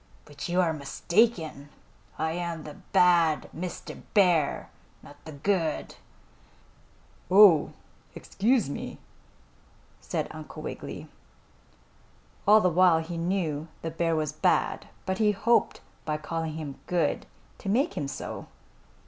"But you are mistaken. I am the Bad Mr. Bear, not the Good." "Oh, excuse me," said Uncle Wiggily. All the while he knew the bear was bad, but he hoped by calling him good, to make him so.